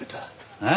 えっ？